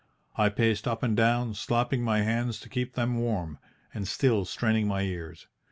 I paced up and down slapping my hands to keep them warm, and still straining my ears.